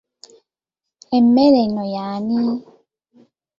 Emmere eno y'ani?